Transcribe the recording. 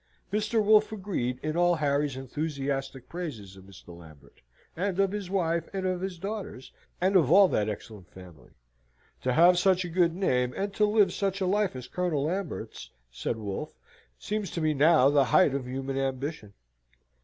Mr. Wolfe agreed in all Harry's enthusiastic praises of Mr. Lambert, and of his wife, and of his daughters, and of all that excellent family. "To have such a good name, and to live such a life as Colonel Lambert's," said Wolfe, "seem to me now the height of human ambition."